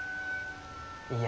いや。